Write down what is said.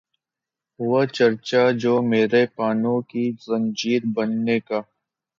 ہوا چرچا جو میرے پانو کی زنجیر بننے کا